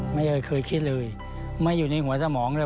ไม่เคยคิดเลยไม่อยู่ในหัวสมองเลย